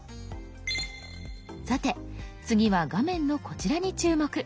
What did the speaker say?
さて次は画面のこちらに注目。